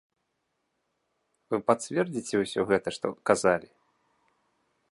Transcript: Вы пацвердзіце ўсё гэта, што казалі?